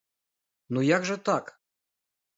Ну як жа так?